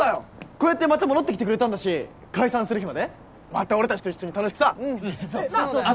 こうやってまた戻ってきてくれたんだし解散する日までまた俺達と一緒に楽しくさなあ